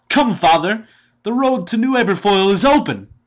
come, father! The road to New Aberfoyle is open!"